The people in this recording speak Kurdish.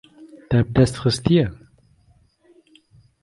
Te bi dest xistiye.